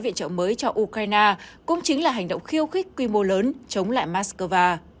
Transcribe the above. viện trợ mới cho ukraine cũng chính là hành động khiêu khích quy mô lớn chống lại moscow